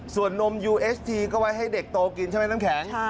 ส่วนนมยูเอสทีก็ไว้ให้เด็กโตกินใช่ไหมน้ำแข็ง